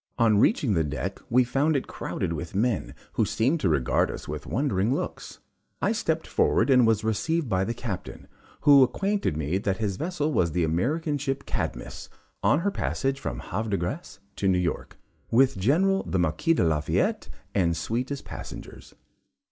On reaching the deck, we found it crowded with men, who seemed to regard us with wondering looks. I stepped forward and was received by the Captain, who acquainted me that his vessel was the American ship Cadmus, on her passage from Havre de grace to New York, with General the Marquis de Lafayette and suite as passengers.